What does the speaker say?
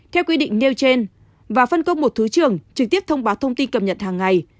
theo quy định nêu trên và phân công một thứ trưởng trực tiếp thông báo thông tin cập nhật hàng ngày